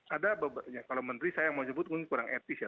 ada beberapa kalau menteri saya yang mau nyebut kurang etis ya